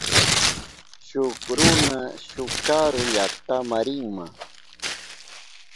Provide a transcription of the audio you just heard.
Shuk runa shuk karu llaktama rinma.